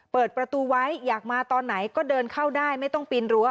เปิดประตูไว้อยากมาตอนไหนก็เดินเข้าได้ไม่ต้องปีนรั้ว